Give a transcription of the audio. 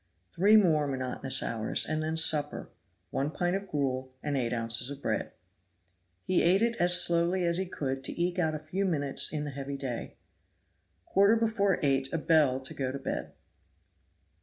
Three more monotonous hours, and then supper one pint of gruel, and eight ounces of bread. He ate it as slowly as he could to eke out a few minutes in the heavy day. Quarter before eight a bell to go to bed.